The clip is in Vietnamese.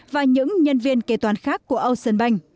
và những nhân viên kế toán khác của ocean bank